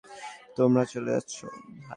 তোমরা চলে যাচ্ছো?